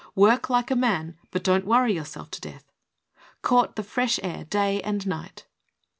Work like a man, but don't worry your self to death. Court the fresh air day and night.